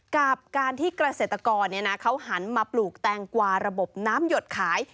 กับการที่เกษตรกรเขาหันมาปลูกแตงกวาระบบน้ำหยดขาย